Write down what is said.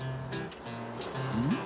うん？